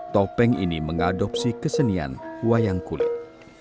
topeng ini mengadopsi kesenian wayang kulit